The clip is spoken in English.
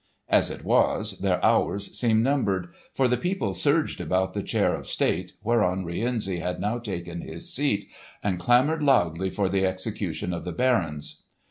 As it was, their hours seemed numbered, for the people surged about the chair of state whereon Rienzi had now taken his seat, and clamoured loudly for the execution of the barons.